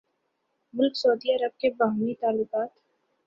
ملک سعودی عرب کے باہمی تعلقات